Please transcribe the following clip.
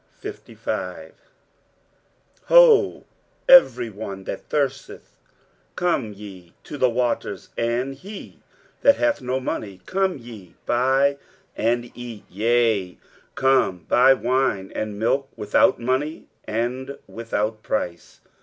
23:055:001 Ho, every one that thirsteth, come ye to the waters, and he that hath no money; come ye, buy, and eat; yea, come, buy wine and milk without money and without price.